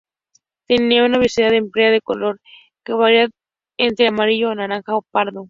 Tienen una vellosidad espesa de color que varía entre amarillo a naranja o pardo.